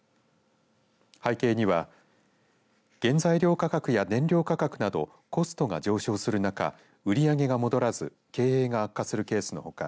背景には原材料価格や燃料価格などコストが上昇する中売り上げが戻らず経営が悪化するケースのほか